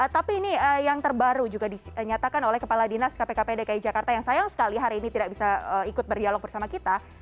tapi ini yang terbaru juga dinyatakan oleh kepala dinas kpkp dki jakarta yang sayang sekali hari ini tidak bisa ikut berdialog bersama kita